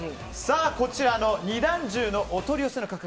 こちらの二段重のお取り寄せ価格